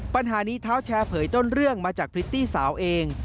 ปัญหานี้เท้าแชร์เผยต้นเรื่องมาจากพริตตี้สาวเอง